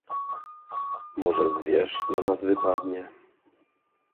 "może zwierz na nas wypadnie!"